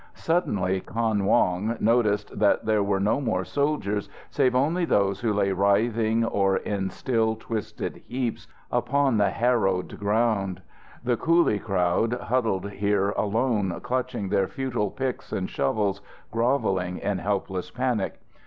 Suddenly Kan Wong noticed that there were no more soldiers save only those who lay writhing or in still, twisted heaps upon the harrowed ground. The coolie crowd huddled here alone, clutching their futile picks and shovels, grovelling in helpless panic.